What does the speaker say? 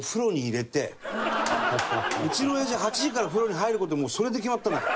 うちの親父は８時から風呂に入る事もうそれで決まったんだから。